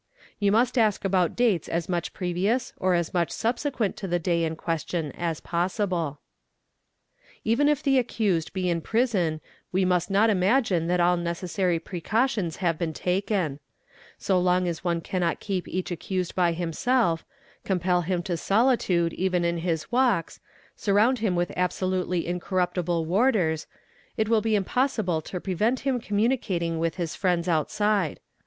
You must ask about dates as much previous or as m1 subsequent to the day in question as possible. THE LYING WITNESS 101 Even if the accused be in prison we must not imagine that all neces sary precautions have been taken. So long as one cannot keep each accused by himself, compel him to solitude even in his walks, surround him with absolutely incorruptible warders, it will be impossible to prevent _ him communicating with his friends outside.